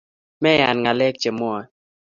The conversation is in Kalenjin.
Meyan ngalek chemwae